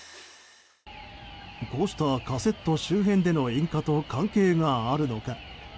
こうしたカセット周辺での引火と関係があるのか。